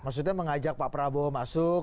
maksudnya mengajak pak prabowo masuk